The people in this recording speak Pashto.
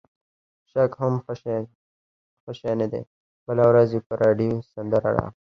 شک هم ښه شی نه دی، بله ورځ یې په راډیو سندره راغله.